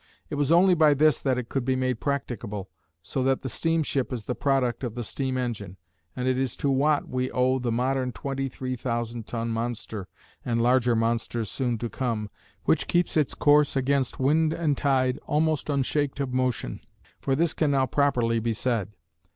It was only by this that it could be made practicable, so that the steamship is the product of the steam engine, and it is to Watt we owe the modern twenty three thousand ton monster (and larger monsters soon to come), which keeps its course against wind and tide, almost "unshaked of motion," for this can now properly be said.